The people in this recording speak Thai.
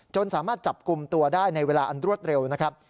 สามารถจับกลุ่มตัวได้ในเวลาอันรวดเร็วนะครับ